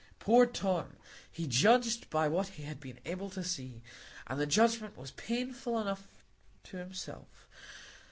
Poor Tom! he judged by what he had been able to see; and the judgment was painful enough to himself.